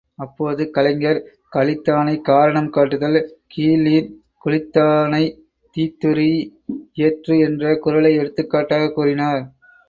அப்போது கலைஞர், களித்தானைக் காரணம் காட்டுதல் கீழ்நீர்க் குளித்தா னைத் தீத்துரீஇ யற்று என்ற குறளை எடுத்துக்காட்டாகக் கூறினார்.